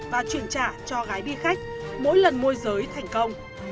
và chuyển trả cho gái đi khách mỗi lần môi giới thành công